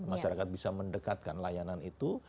masyarakat bisa mendekatkan layanan itu